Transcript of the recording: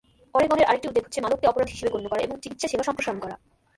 অরেগনের আরেকটি উদ্যোগ হচ্ছে মাদককে অপরাধ হিসেবে গণ্য করা এবং চিকিৎসা সেবা সম্প্রসারণ করা।